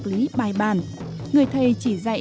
được rồi đấy